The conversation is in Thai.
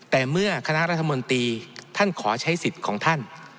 แต่เมื่อคณะรัฐมนตรีท่านขอใช้สิทธิ์ของท่าน